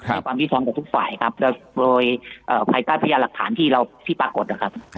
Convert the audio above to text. ในความวิทยาลองกับทุกฝ่ายครับโดยภายใต้พยาหลักฐานที่ปรากฏนะครับ